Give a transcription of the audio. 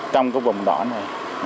trong vùng đỏ này